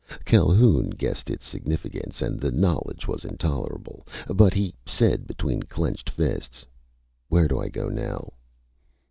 Calhoun guessed its significance and the knowledge was intolerable. But he said between clenched fists. "Where do I go now?"